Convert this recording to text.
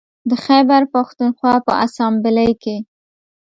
د خیبر پښتونخوا په اسامبلۍ کې